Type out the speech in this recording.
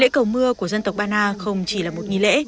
lễ cầu mưa của dân tộc bana không chỉ là một nghi lễ